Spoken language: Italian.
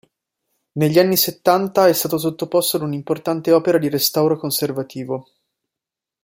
Negli anni settanta è stato sottoposto ad un'importante opera di restauro conservativo.